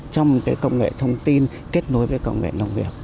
trong công nghệ thông tin kết nối với công nghệ nông nghiệp